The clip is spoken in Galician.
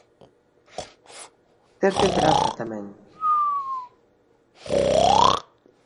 Ter temperanza, tamén.